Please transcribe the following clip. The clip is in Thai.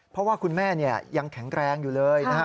เพราะว่าคุณแม่ยังแข็งแรงอยู่เลยนะฮะ